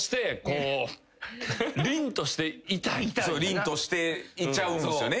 りんとしていちゃうんですよね。